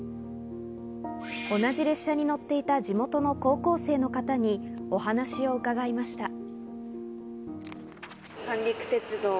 同じ列車に乗っていた地元の高校生の方にお話を伺いました。